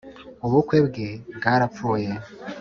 ubukwe bwe bwara pfuye